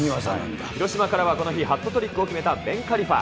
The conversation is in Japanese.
広島からはこの日、ハットトリックを決めたベン・カリファ。